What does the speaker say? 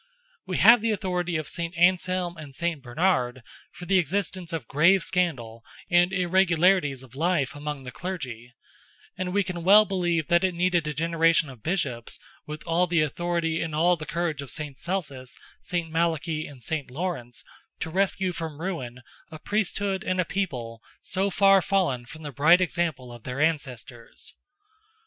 We have the authority of Saint Anselm and Saint Bernard, for the existence of grave scandal and irregularities of life among the clergy, and we can well believe that it needed a generation of Bishops, with all the authority and all the courage of Saint Celsus, Saint Malachy, and Saint Lawrence, to rescue from ruin a Priesthood and a people, so far fallen from the bright example of their ancestors.